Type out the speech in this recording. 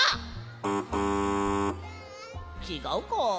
ちがうか。